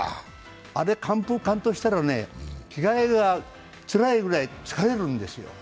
あれ完封・完投したら着替えがつらいぐらい疲れるんですよ。